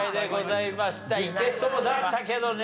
いけそうだったけどね。